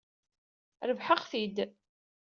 Rebḥeɣ-t-id.